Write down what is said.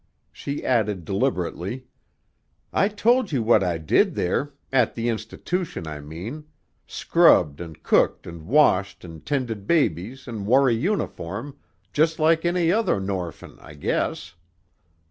She added deliberately: "I told you what I did there at the institootion, I mean: scrubbed an' cooked an' washed an' tended babies an' wore a uniform, just like any other norphin, I guess.